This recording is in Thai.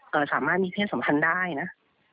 ก็สามารถมีเพศสัมพันธ์ได้นะ